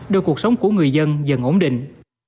để cuộc sống của người dân dần ổn định